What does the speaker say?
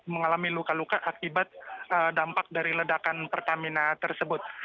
mengalami luka luka akibat dampak dari ledakan pertamina tersebut